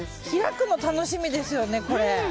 開くの楽しみですよね、これ。